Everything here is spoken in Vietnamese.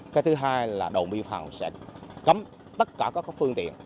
cái thứ hai là đồn biên phòng sẽ cấm tất cả các phương tiện